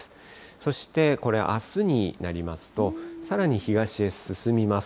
そして、これ、あすになりますとさらに東へ進みます。